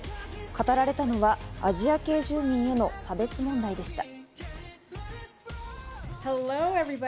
語られたのはアジア系住民への差別問題でした。